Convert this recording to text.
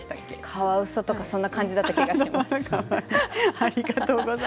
カワウソとかそんな感じだったと思います。